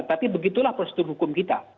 tapi begitulah prosedur hukum kita